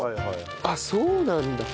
あっそうなんだ。